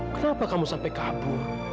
kenapa kamu sampai kabur